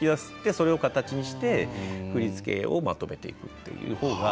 それを形にして振り付けをまとめていくという方が。